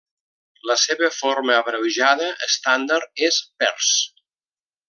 La seva forma abreujada estàndard és Pers.